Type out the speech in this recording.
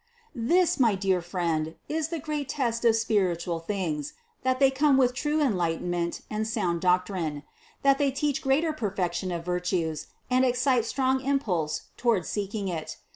325. This, my dear friend, is the great test of spiritual things : that they come with true enlightenment and sound doctrine ; that they teach greater perfection of virtues and excite a strong impulse toward seeking it.